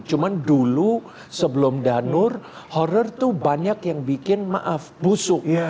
cuma dulu sebelum danur horror tuh banyak yang bikin maaf busuk